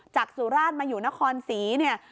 สุราชมาอยู่นครศรีเนี่ย